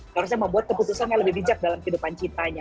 harusnya membuat keputusan yang lebih bijak dalam kehidupan cintanya